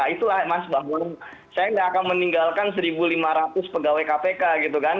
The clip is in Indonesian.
itulah mas bahwa saya nggak akan meninggalkan satu lima ratus pegawai kpk gitu kan